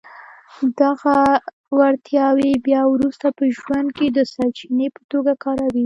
دغه وړتياوې بيا وروسته په ژوند کې د سرچینې په توګه کاروئ.